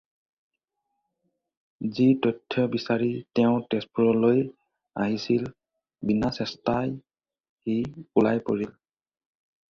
যি তথ্য বিচাৰি তেওঁ তেজপুৰলৈ আহিছিল বিনা-চেষ্টাই সি ওলাই পৰিল।